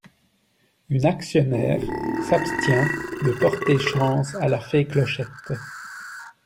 Une actionnaire s'abstient de porter chance à la fée Clochette.